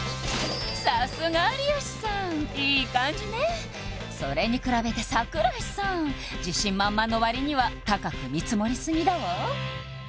さすが有吉さんいい感じねそれに比べて櫻井さん自信満々の割には高く見積もりすぎだわ